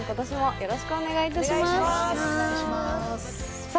よろしくお願いしますさあ